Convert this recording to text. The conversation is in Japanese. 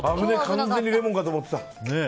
完全にレモンかと思ってた。